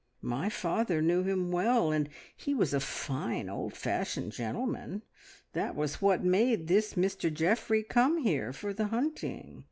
My father knew him well, and he was a fine, old fashioned gentleman. That was what made this Mr Geoffrey come here for the hunting.